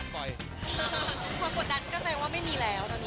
พอกดดันก็แทนว่าไม่มีแล้วตอนนี้